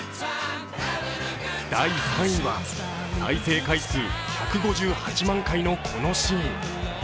第３位は、再生回数１５８万回のこのシーン。